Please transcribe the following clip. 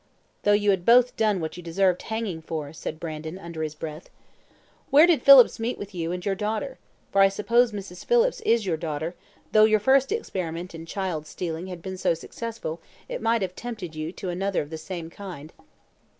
"Though you had both done what you deserved hanging for," said Brandon, under his breath. "Where did Phillips meet with you and your daughter? for I suppose Mrs. Phillips is your daughter: though your first experiment in child stealing had been so successful, it might have tempted you to another of the same kind."